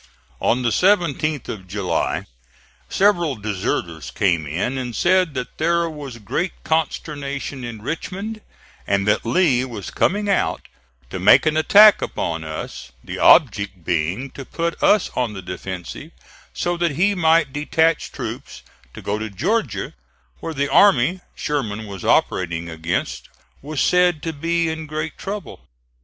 On the 17th of July several deserters came in and said that there was great consternation in Richmond, and that Lee was coming out to make an attack upon us the object being to put us on the defensive so that he might detach troops to go to Georgia where the army Sherman was operating against was said to be in great trouble.